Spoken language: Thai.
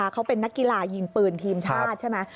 เขาเป็นนักกีฬายิงปืนทีมชาติใช่ไหม